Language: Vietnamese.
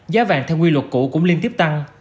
giá vàng theo quy luật cũ cũng liên tiếp tăng